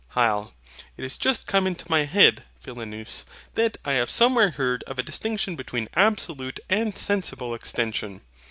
HYL. It is just come into my head, Philonous, that I have somewhere heard of a distinction between absolute and sensible extension.